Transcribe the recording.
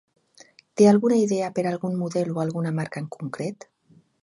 Té alguna idea per algun model o alguna marca en concret?